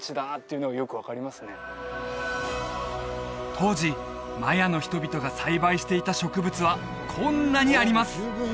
当時マヤの人々が栽培していた植物はこんなにあります！